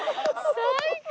最高！